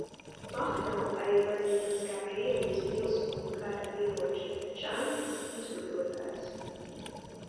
Mahno arī pazīstams kā Krievijas pilsoņu kara ieroča – tačankas izgudrotājs.